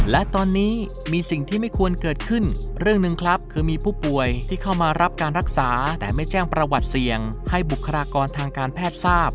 และตอนนี้มีสิ่งที่ไม่ควรเกิดขึ้นเรื่องหนึ่งครับคือมีผู้ป่วยที่เข้ามารับการรักษาแต่ไม่แจ้งประวัติเสี่ยงให้บุคลากรทางการแพทย์ทราบ